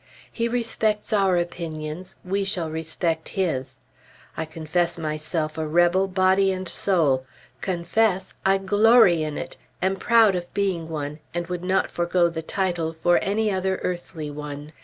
He respects our opinions, we shall respect his. I confess myself a rebel, body and soul. Confess? I glory in it! Am proud of being one; would not forego the title for any other earthly one!